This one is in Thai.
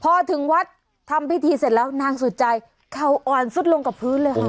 พอถึงวัดทำพิธีเสร็จแล้วนางสุดใจเขาอ่อนซุดลงกับพื้นเลยค่ะ